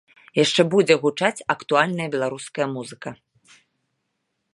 Яшчэ будзе гучаць актуальная беларуская музыка.